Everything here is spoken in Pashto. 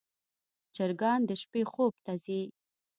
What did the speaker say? چرګان د شپې خوب ته ځي.